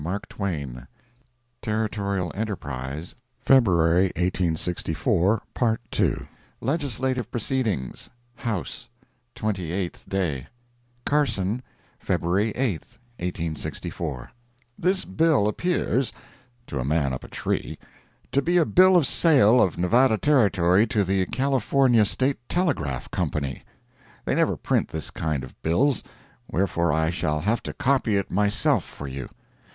MARK TWAIN Territorial Enterprise, February 1864 LEGISLATIVE PROCEEDINGS HOUSE—TWENTY EIGHTH DAY Carson, February 8, 1864 This bill appears—to a man up a tree—to be a bill of sale of Nevada Territory to the California State Telegraph Company. They never print this kind of bills—wherefore I shall have to copy it myself for you.